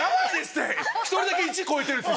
１人だけ１超えてるんすよ